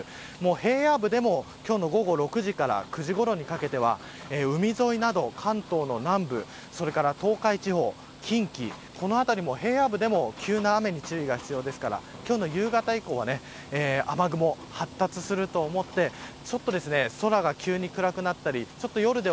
平野部でも今日の午後６時から９時ごろにかけては海沿いなど関東の南部それから東海地方近畿、この辺りも平野部でも急な雨に注意が必要ですから今日の夕方以降は雨雲颯という名の爽快緑茶！